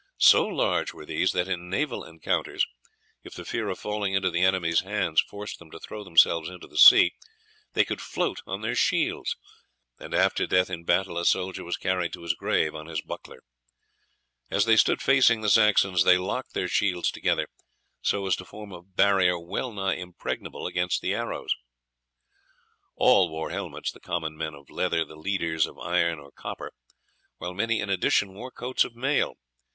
So large were these that in naval encounters, if the fear of falling into the enemy's hands forced them to throw themselves into the sea, they could float on their shields; and after death in battle a soldier was carried to his grave on his buckler. As they stood facing the Saxons they locked their shields together so as to form a barrier well nigh impregnable against the arrows. All wore helmets, the common men of leather, the leaders of iron or copper, while many in addition wore coats of mail.